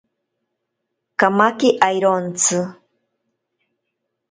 Kamake airontsi.